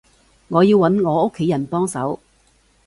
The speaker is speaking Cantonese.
我要揾我屋企人幫手